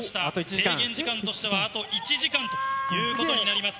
制限時間としてはあと１時間ということになります。